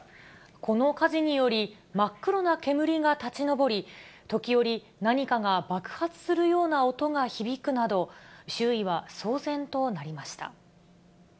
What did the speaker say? この火事により、真っ黒な煙が立ち上り、時折、何かが爆発するような音が響くなど、周囲は騒然となりました。